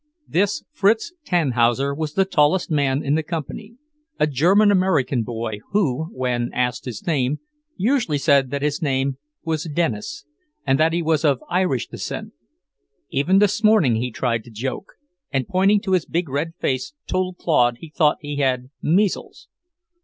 This Fritz Tannhauser was the tallest man in the company, a German American boy who, when asked his name, usually said that his name was Dennis and that he was of Irish descent. Even this morning he tried to joke, and pointing to his big red face told Claude he thought he had measles.